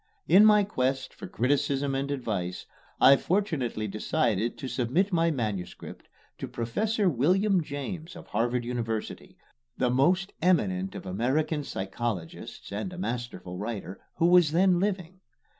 In my quest for criticism and advice, I fortunately decided to submit my manuscript to Professor William James of Harvard University, the most eminent of American psychologists and a masterful writer, who was then living.